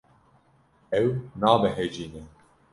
Ew nebehecî ne.